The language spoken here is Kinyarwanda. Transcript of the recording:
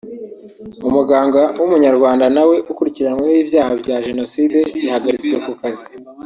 umuganga w’Umunyarwanda nawe ukurikiranyweho ibyaha bya Jenoside yahagaritswe ku kazi